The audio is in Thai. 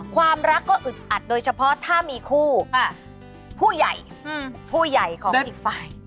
ความรักก็อึดอัดโดยเฉพาะถ้ามีคู่ผู้ใหญ่ผู้ใหญ่ของอีกฝ่าย